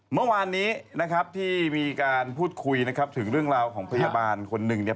เมื่อวานนี้ที่มีการพูดคุยถึงเรื่องราวของพยาบาลคนหนึ่ง